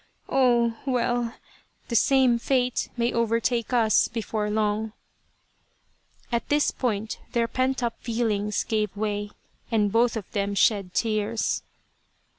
Oh, well ! the same fate may overtake us before long " At this point their pent up feelings gave way, and both of them shed tears.